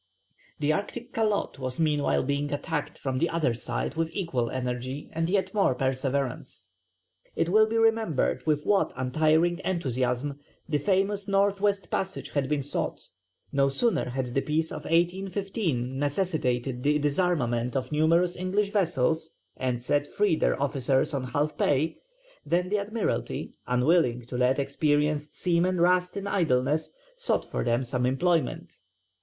The Arctic calotte was meanwhile being attacked from the other side with equal energy and yet more perseverance. It will be remembered with what untiring enthusiasm the famous north west passage had been sought. No sooner had the peace of 1815 necessitated the disarmament of numerous English vessels and set free their officers on half pay, than the Admiralty, unwilling to let experienced seamen rust in idleness, sought for them some employment.